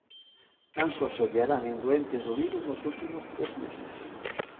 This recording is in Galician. Tan só se obviarán en doentes do virus nos últimos tres meses.